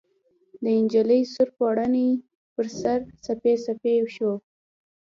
د نجلۍ سور پوړني ، پر سر، څپې څپې شو